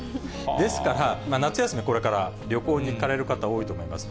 ですから、夏休み、これから旅行に行かれる方多いと思います。